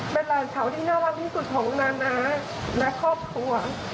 เป็นหลานสาวที่น่ารักที่สุดของนานาและครอบครัว